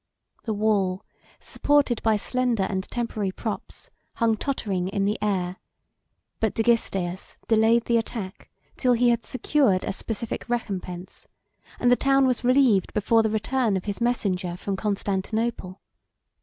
The wall, supported by slender and temporary props, hung tottering in the air; but Dagisteus delayed the attack till he had secured a specific recompense; and the town was relieved before the return of his messenger from Constantinople.